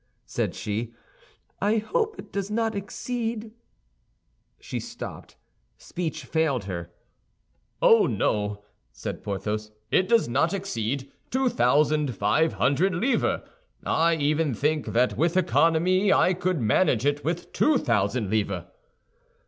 said she. "I hope it does not exceed—" She stopped; speech failed her. "Oh, no," said Porthos, "it does not exceed two thousand five hundred livres! I even think that with economy I could manage it with two thousand livres."